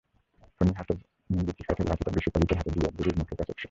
ফণী হাতের বৈঁচিকাঠের লাঠিটা বিশু পালিতের হাতে দিয়া বুড়ির মুখের কাছে বসিল।